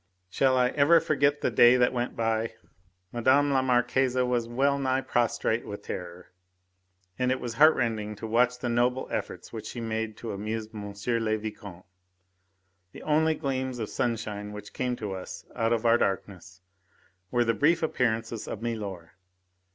Shall I ever forget the day that went by? Mme. la Marquise was well nigh prostrate with terror, and it was heartrending to watch the noble efforts which she made to amuse M. le Vicomte. The only gleams of sunshine which came to us out of our darkness were the brief appearances of milor.